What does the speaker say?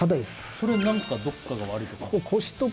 それ何かどっかが悪いとか？